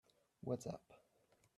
What's up?